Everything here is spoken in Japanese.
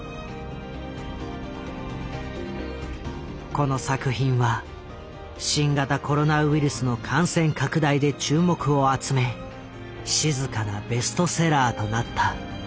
この作品は新型コロナウイルスの感染拡大で注目を集め静かなベストセラーとなった。